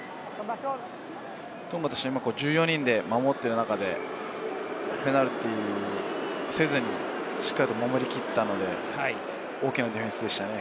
トンガとしては今１４人で守っている中で、ペナルティーせずにしっかりと守り切ったので、大きなディフェンスでしたね。